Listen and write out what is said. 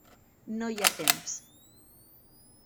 No hi ha temps.